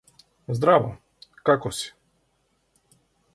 Здраво. Како си?